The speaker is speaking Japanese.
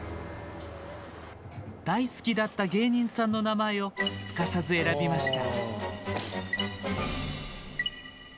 大好きだった芸人さんの名前をすかさず選びました。